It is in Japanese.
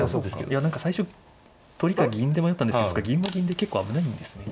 いや何か最初取りか銀で迷ったんですけどそうか銀は銀で結構危ないんですね。